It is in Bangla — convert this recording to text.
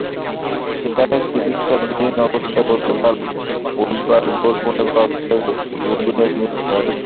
সেখানে চিকিৎসাধীন অবস্থায় গতকাল বুধবার ভোর পৌনে পাঁচটায় রবিনের মৃত্যু হয়।